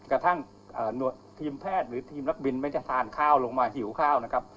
กระทั่งทีมแพทย์หรือทีมนักบินไม่ได้ทานข้าวลงมาหิวข้าวนะครับ